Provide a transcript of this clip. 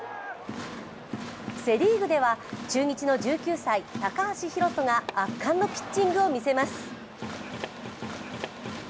セ・リーグでは、中日の１９歳、高橋宏斗が圧巻のピッチングを見せます。